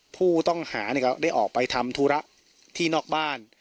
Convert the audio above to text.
ผู้ต้องหาเนี่ยครับได้ออกไปทำธุระที่นอกบ้าน